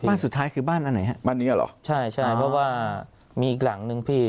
บ้านสุดท้ายคือบ้านอันไหนฮะบ้านเนี้ยเหรอใช่ใช่เพราะว่ามีอีกหลังนึงพี่